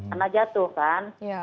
anak jatuh kan